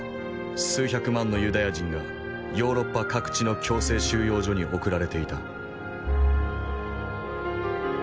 数百万のユダヤ人がヨーロッパ各地の強制収容所に送られていた。